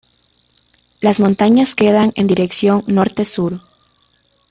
Las montañas quedan en dirección norte-sur.